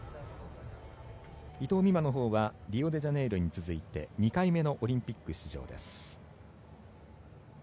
伊藤美誠のほうはリオデジャネイロに続いて２回目のオリンピック出場です。